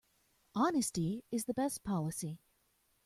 Honesty is the best policy.